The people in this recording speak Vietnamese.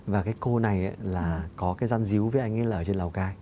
và cái cô này là có cái gian díu với anh ấy là ở trên lào cai